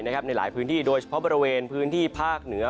ในหลายพื้นที่โดยเฉพาะบริเวณพื้นที่ภาคเหนือ